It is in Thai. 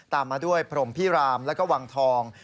ตามมาด้วยพรมพิรามแล้วก็วังทอง